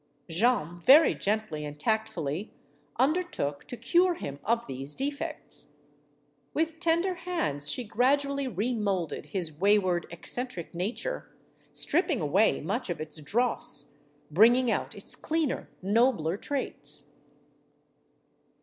Jeanne, very gently and tactfully, undertook to cure him of these defects. With tender hands she gradually remolded his way 248 STORIES OF THE SUPER WOMEN ward, eccentric nature, stripping away much of its dross, bringing out its cleaner, nobler traits.